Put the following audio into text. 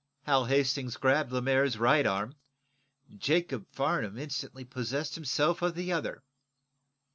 Hal Hastings grabbed Lemaire's right arm. Jacob Farnum instantly possessed himself of the other.